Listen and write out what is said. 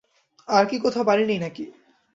আর কি কোথাও বাড়ি নেই নাকি।